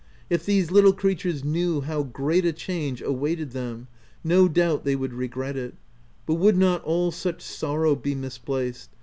If these little creatures knew how great a change awaited them, no doubt they would regret it ; but would not all such sorrow be misplaced